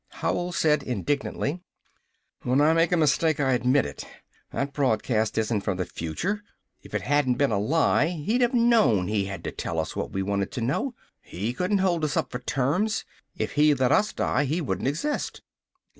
Howell said indignantly: "When I make a mistake, I admit it! That broadcast isn't from the future! If it hadn't been a lie, he'd have known he had to tell us what we wanted to know! He couldn't hold us up for terms! If he let us die he wouldn't exist!"